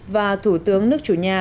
và thủ tướng nước chủ nhà